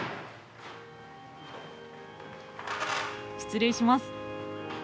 失礼します。